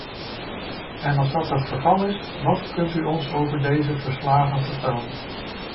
En als dat het geval is, wat kunt u ons over deze verslagen vertellen?